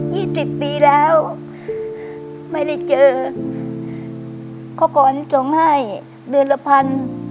สิบปีแล้วไม่ได้เจอเขาก่อนส่งให้เดือนละพัน